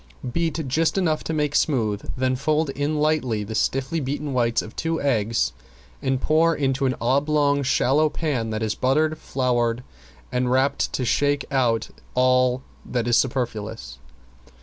Beat just enough to make smooth, then fold in lightly the stiffly beaten whites of two eggs and pour into an oblong shallow pan that is buttered, floured and rapped to shake out all that is superfluous.